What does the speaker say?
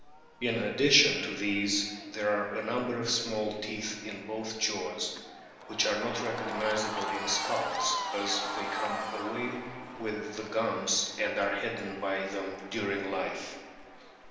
In addition to these there are a number of small teeth in both jaws, which are not recognisable in skulls, as they come away with the gums, and are hidden by them during life.